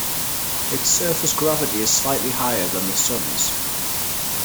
Its surface gravity is slightly higher than the Sun's.